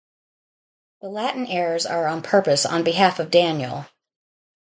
The Latin errors are on purpose on behalf of Daniel.